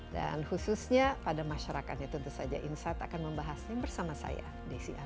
dan khususnya pada masyarakatnya tentu saja insat akan membahasnya bersama saya di sianwan